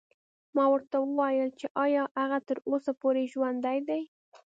ما ورته وویل چې ایا هغه تر اوسه پورې ژوندی دی.